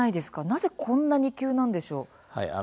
なぜこんなに急なんでしょう。